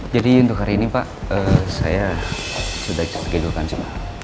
jadi untuk hari ini pak saya sudah cukup gedul kan semua